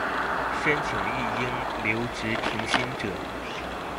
申请育婴留职停薪者